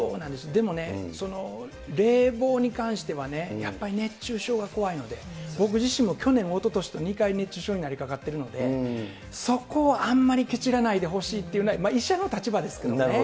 でもね、冷房に関しては、やっぱり熱中症が怖いので、僕自身も去年、おととしと２回、熱中症になりかかっているので、そこをあんまりけちらないでほしいというのは、医者の立場ですけどね。